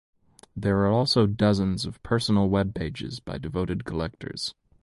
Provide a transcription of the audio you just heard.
There are also dozens of personal web pages by devoted collectors.